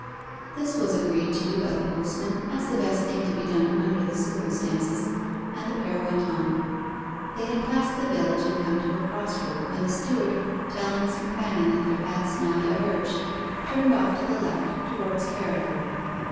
This was agreed to by the postman as the best thing to be done under the circumstances, and the pair went on. They had passed the village and come to a crossroad, when the steward, telling his companion that their paths now diverged, turned off to the left towards Carriford.